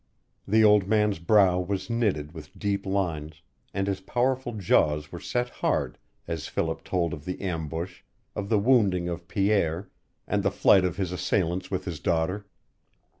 The old man's brow was knitted with deep lines, and his powerful jaws were set hard, as Philip told of the ambush, of the wounding of Pierre, and the flight of his assailants with his daughter.